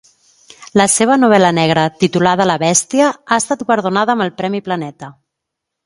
La seva novel·la negra titulada "La bestia" ha estat guardonada amb el Premi Planeta.